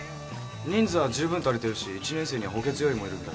人数は十分足りてるし１年生には補欠要員もいるんだ。